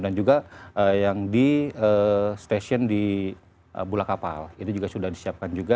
dan juga yang di stasiun di bulakapal itu juga sudah disiapkan juga